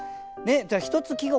一つ季語